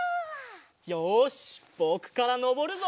よしぼくからのぼるぞ！